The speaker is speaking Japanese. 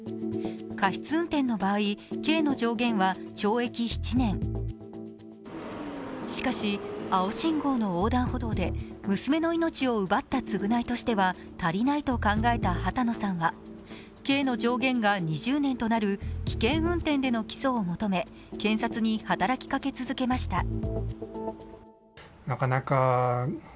過失運転の場合、刑の上限は懲役７年、しかし、青信号の横断歩道で娘の命を奪った償いとしては足りないと考えた波多野さんは刑の上限が２０年となる危険運転となる起訴を求め検察に働きかけました。